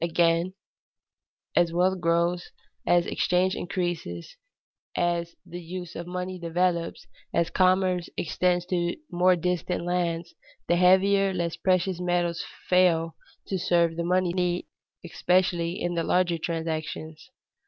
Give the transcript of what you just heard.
Again, as wealth grows, as exchanges increase, as the use of money develops, as commerce extends to more distant lands, the heavier, less precious metals fail to serve the money need, especially in the larger transactions.